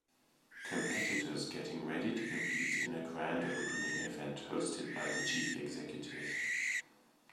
Competitors getting ready to compete in a grand opening event hosted by the chief executive